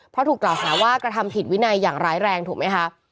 เพราะถูกกล่าวหาว่ากระทำผิดวินัยอย่างร้ายแรงถูกไหมคะ